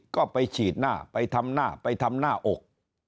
ก็ไปฉีดหน้าไปทำหน้าไปทำหน้าอก